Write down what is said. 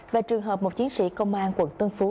và trường hợp một chiến sĩ công an quận tân phú